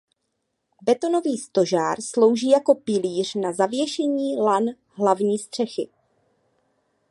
Betonový stožár slouží jako pilíř na zavěšení lan hlavní střechy.